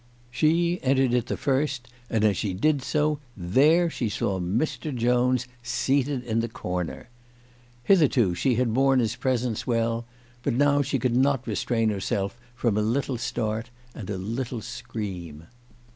She entered it the first, and as she did so there she saw Mr. Jones seated in the corner ! Hitherto she had borne his CHRISTMAS AT THOMPSON HALL. 249 presence well, but now she could not restrain herself from a little start and a little scream.